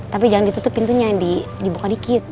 tapi jangan ditutup pintunya yang dibuka dikit